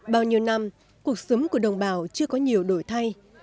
bao nhiêu năm cuộc sống của đồng bào chưa có nhiều đổi thay